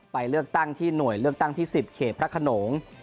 ไปเลือกตั้งที่หน่วยเลือกตั้งที่๑๐เขตพระขนง